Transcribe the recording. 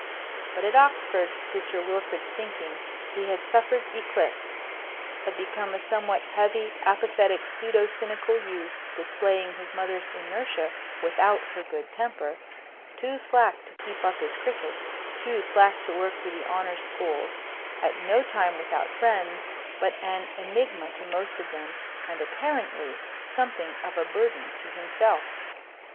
But at Oxford, to Sir Wilfrid's thinking, he had suffered eclipse had become a somewhat heavy, apathetic, pseudo cynical youth, displaying his mother's inertia without her good temper, too slack to keep up his cricket, too slack to work for the honor schools, at no time without friends, but an enigma to most of them, and, apparently, something of a burden to himself.